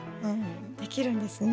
できるんですね。